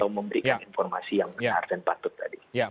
memberikan informasi yang benar dan patut tadi